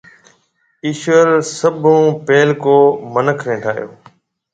ايشوَر سڀ هون پيلڪو مِنک نَي ٺاھيَََو